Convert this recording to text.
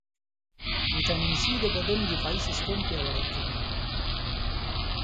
ويټامين C د بدن دفاعي سیستم پیاوړئ کوي.